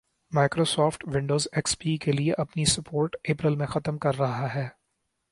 Microsoft, Windows X P کے لئے اپنی سپورٹ اپریل میں ختم کررہا ہے